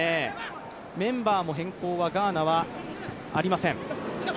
メンバーも変更はガーナはありません。